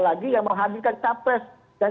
lagi yang menghadirkan capres dan